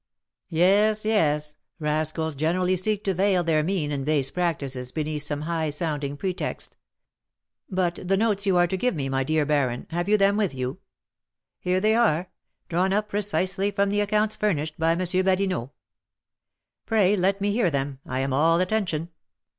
'" "Yes, yes, rascals generally seek to veil their mean and base practices beneath some high sounding pretext. But the notes you are to give me, my dear baron, have you them with you?" "Here they are, drawn up precisely from the accounts furnished by M. Badinot." "Pray let me hear them; I am all attention."